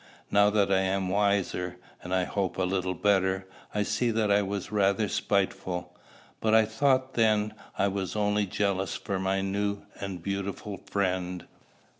Now that I am wiser, and I hope a little better, I see that I was rather spiteful; but I thought then I was only jealous for my new and beautiful friend.